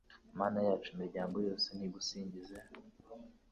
Mana yacu imiryango yose nigusingize